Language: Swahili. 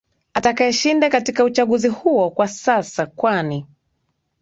atakaeshinda katika uchaguzi huo kwa sasa kwani